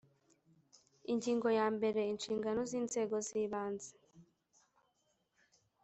Ingingo ya mbere Inshingano z inzego z Ibanze